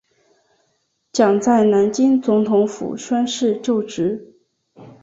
蒋在南京总统府宣誓就职。